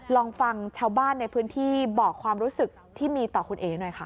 ลองฟังชาวบ้านในพื้นที่บอกความรู้สึกที่มีต่อคุณเอ๋หน่อยค่ะ